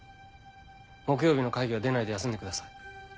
木曜の会議は出ないで休んでください。